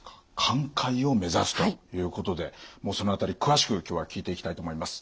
寛解を目指すということでもうその辺り詳しく今日は聞いていきたいと思います。